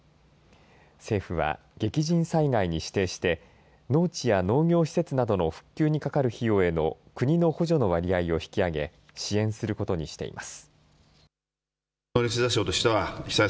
政府は激甚災害に指定して農地や農業施設などの復旧にかかる費用への国の補助の割合を引き上げ支援することにしています。